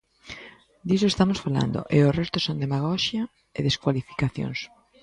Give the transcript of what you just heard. Diso estamos falando, e o resto son demagoxia e descualificacións.